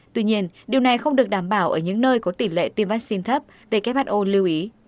tuy nhiên điều này không được đảm bảo ở những nơi có tỷ lệ tiêm vaccine thấp lưu ý